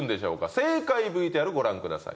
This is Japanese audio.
正解ＶＴＲご覧ください。